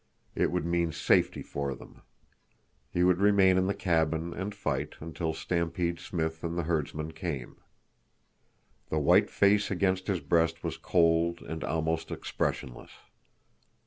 It would mean safety for them. He would remain in the cabin, and fight, until Stampede Smith and the herdsmen came. The white face against his breast was cold and almost expressionless.